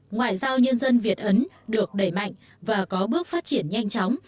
ngoại giao nhân dân việt ấn được đẩy mạnh và có bước phát triển nhanh chóng